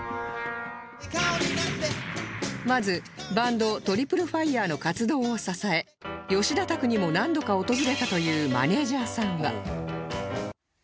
まずバンドトリプルファイヤーの活動を支え吉田宅にも何度か訪れたというマネージャーさんは